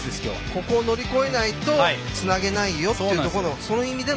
ここを乗り越えないとつなげないよという意味で。